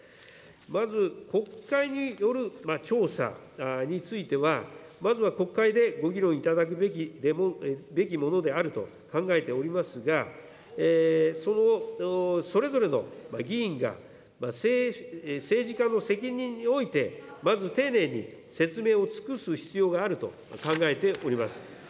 まず国会による調査については、まずは国会でご議論いただくべきものであると考えておりますが、それぞれの議員が政治家の責任において、まず丁寧に説明を尽くす必要があると考えております。